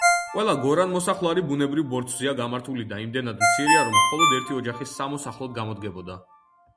ყველა გორანამოსახლარი ბუნებრივ ბორცვზეა გამართული და იმდენად მცირეა, რომ მხოლოდ ერთი ოჯახის სამოსახლოდ გამოდგებოდა.